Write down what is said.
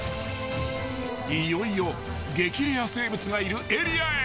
［いよいよ激レア生物がいるエリアへ］